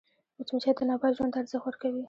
مچمچۍ د نبات ژوند ته ارزښت ورکوي